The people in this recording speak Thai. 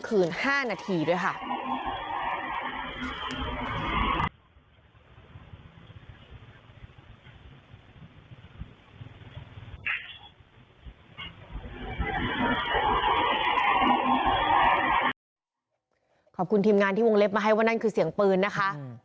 ขอบคุณทีมงานที่วงเล็บมาให้ว่านั่นคือเสียงปืนนะคะ